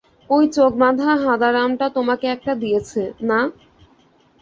ওই চোখ বাঁধা হাঁদারামটা তোমাকে একটা দিয়েছে, না?